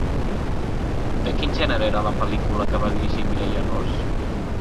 De quin gènere era la pel·lícula que va dirigir Mireia Ros?